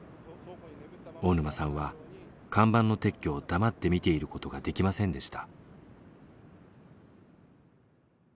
大沼さんは看板の撤去を黙って見ていることができませんでした。